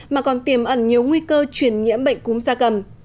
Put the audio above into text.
mà còn tiềm ẩn nhiều nguy cơ chuyển nhiễm bệnh cúm da cầm